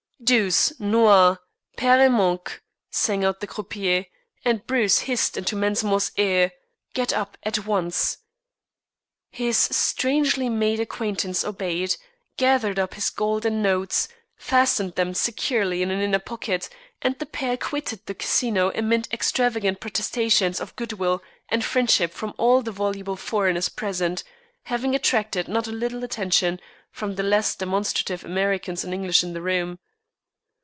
"Douze, noir, pair et manque," sang out the croupier, and Bruce hissed into Mensmore's ear: "Get up at once." His strangely made acquaintance obeyed, gathered up his gold and notes, fastened them securely in an inner pocket, and the pair quitted the Casino amid extravagant protestations of good will and friendship from all the voluble foreigners present, having attracted not a little attention from the less demonstrative Americans and English in the room.